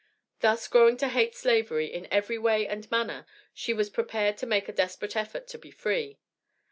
Thus growing to hate slavery in every way and manner, she was prepared to make a desperate effort to be free.